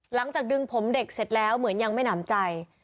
หลังจากดึงผมเด็กเสร็จแล้วเหมือนยังไม่หนำใจ